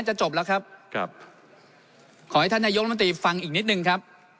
จบแล้วครับครับขอให้ท่านนายกรมนตรีฟังอีกนิดนึงครับ